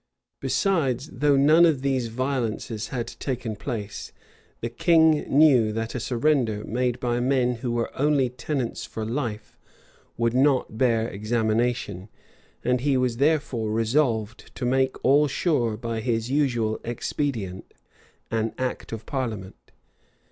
[] Besides, though none of these violences had taken place, the king knew that a surrender made by men who were only tenants for life, would not bear examination; and he was therefore resolved to make all sure by his usual expedient, an act of parliament.